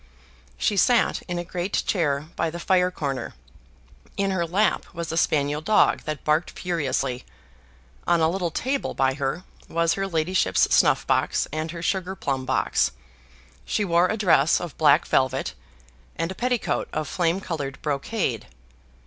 She sat in a great chair by the fire corner; in her lap was a spaniel dog that barked furiously; on a little table by her was her ladyship's snuff box and her sugar plum box. She wore a dress of black velvet, and a petticoat of flame colored brocade.